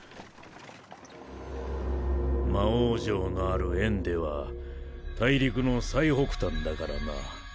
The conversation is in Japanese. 魔王城のあるエンデは大陸の最北端だからな。